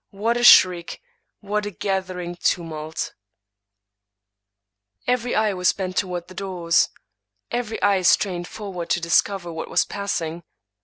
what a shriek ! what a gathering tumult ! Every eye was bent toward the doors— every eye strained forward to discover what was passing.